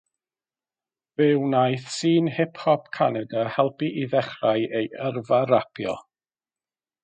Fe wnaeth sîn hip-hop Canada helpu i ddechrau ei yrfa rapio.